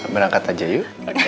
berangkat aja yuk